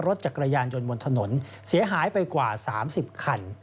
รถจักรยานยนต์บนถนนเสียหายไปกว่า๓๐คัน